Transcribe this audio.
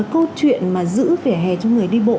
câu chuyện mà giữ vỉa hè cho người đi bộ